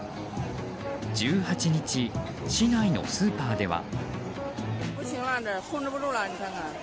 １８日、市内のスーパーでは。